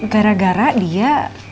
gara gara dia